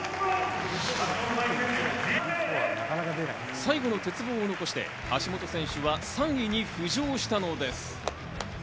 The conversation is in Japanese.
最後の鉄棒を残して、橋本選手は３位に浮上したのです。